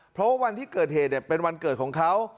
เพราะวันที่เกิดเหตุเป็นวันเกิดของเขา